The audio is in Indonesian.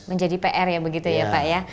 menjadi pr ya begitu ya pak ya